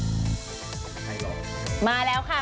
โอเคนะคะ